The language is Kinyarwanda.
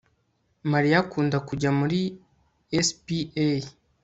Mariya akunda kujya muri spa